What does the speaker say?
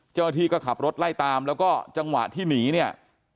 เจ้าหน้าที่ก็ขับรถไล่ตามแล้วก็จังหวะที่หนีเนี่ย